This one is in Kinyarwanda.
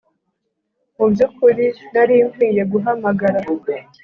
Mu byukuri nari nkwiye guhamagara